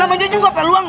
namanya juga peluang